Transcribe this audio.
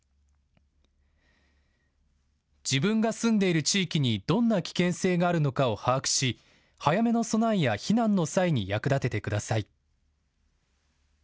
自分が住んでいる地域にどんな危険性があるのかを把握し早めの備えや避難の際に役立ててください。